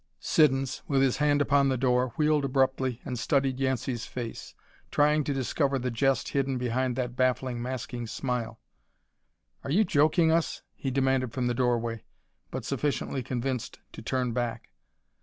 Siddons, with his hand upon the door, wheeled abruptly and studied Yancey's face, trying to discover the jest hidden behind that baffling, masking smile. "Are you joking us?" he demanded from the doorway, but sufficiently convinced to turn back.